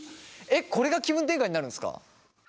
えっこれが気分転換になるんですか？